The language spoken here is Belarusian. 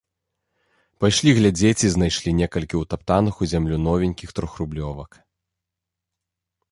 Пайшлі глядзець і знайшлі некалькі ўтаптаных у зямлю новенькіх трохрублёвак.